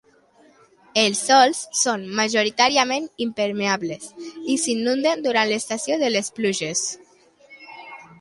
Els sòls són majoritàriament impermeables i s'inunden durant l'estació de les pluges.